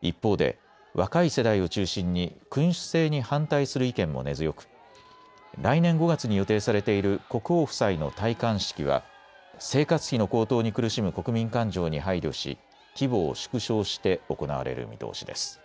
一方で若い世代を中心に君主制に反対する意見も根強く来年５月に予定されている国王夫妻の戴冠式は生活費の高騰に苦しむ国民感情に配慮し規模を縮小して行われる見通しです。